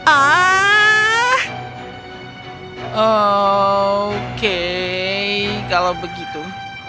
oh oke kalau begitu